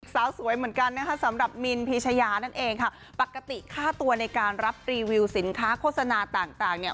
สาวสวยเหมือนกันนะคะสำหรับมินพีชยานั่นเองค่ะปกติค่าตัวในการรับรีวิวสินค้าโฆษณาต่างต่างเนี่ย